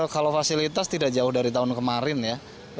kalau fasilitas tidak jauh dari tahun kemarin ya